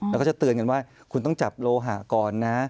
แล้วก็จะเตือนกันว่าคุณต้องจับโลหะก่อนนะ